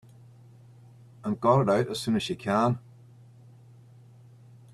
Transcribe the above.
And got it out as soon as you can.